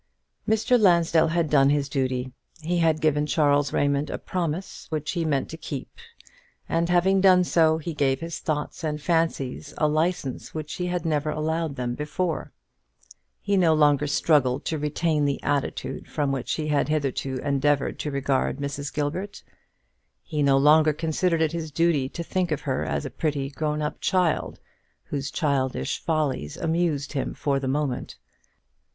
Mr. Lansdell had done his duty. He had given Charles Raymond a promise which he meant to keep; and having done so, he gave his thoughts and fancies a license which he had never allowed them before. He no longer struggled to retain the attitude from which he had hitherto endeavoured to regard Mrs. Gilbert. He no longer considered it his duty to think of her as a pretty, grown up child, whose childish follies amused him for the moment.